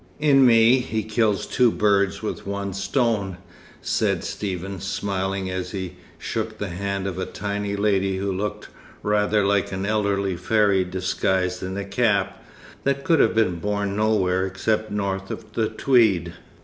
"In me, he kills two birds with one stone," said Stephen, smiling, as he shook the hand of a tiny lady who looked rather like an elderly fairy disguised in a cap, that could have been born nowhere except north of the Tweed.